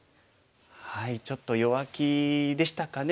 ちょっと弱気でしたかね。